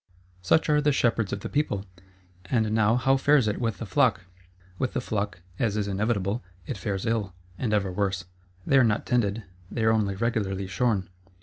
Such are the shepherds of the people: and now how fares it with the flock? With the flock, as is inevitable, it fares ill, and ever worse. They are not tended, they are only regularly shorn.